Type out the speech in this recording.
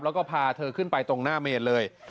แล้วก็พาเธอขึ้นไปตรงหน้าเมนเลย